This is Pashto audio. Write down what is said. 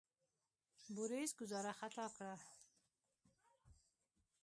بوریس ګوزاره خطا کړه.